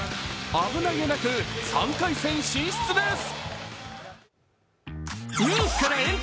危なげなく３回戦進出です。